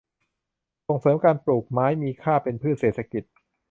ส่งเสริมการปลูกไม้มีค่าเป็นพืชเศรษฐกิจ